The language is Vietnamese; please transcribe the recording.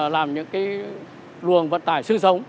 làm những cái luồng vận tải sư sống